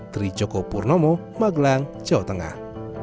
tri joko purnomo magelang jawa tengah